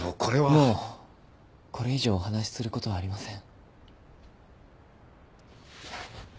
もうこれ以上お話しすることはありません。